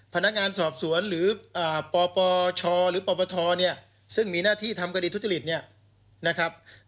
พนักงานสอบสวนหรือปปชหรือปปทซึ่งมีหน้าที่ทำกดีทุศลิษฐ์